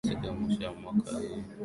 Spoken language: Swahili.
Siku ya mwisho ya mwaka ni nzuri